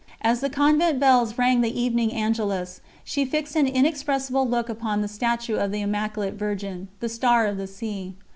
As the convent bells rang the evening Angelus, she fixed an inexpressible look upon the statue of the Immaculate Virgin, the Star of the Sea.